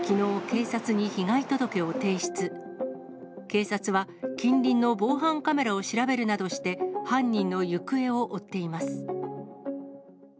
警察は近隣の防犯カメラを調べるなどして、犯人の行方を追っています。